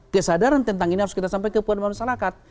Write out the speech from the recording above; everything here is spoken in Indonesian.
nah penyadaran tentang ini harus kita sampaikan ke pemerintah masyarakat